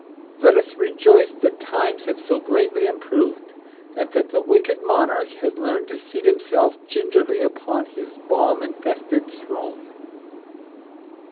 Let us rejoice that times have so greatly improved, and that the wicked monarch has learned to seat himself gingerly upon his bomb infested throne.